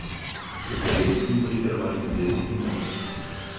Іх удзельнікамі былі пераважна дзеці і моладзь.